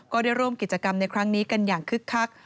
ก็ได้ร่วมกิจกรรมในครั้งนี้กันอย่างคึกคัก